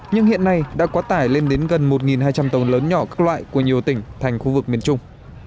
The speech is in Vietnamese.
nhưng hiện nay đã quá tải lên đến gần một hai trăm linh tàu lớn nhỏ các loại của nhiều tỉnh thành khu vực miền trung